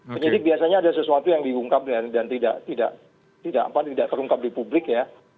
penyidik biasanya ada sesuatu yang diungkap dan tidak terungkap di publik ya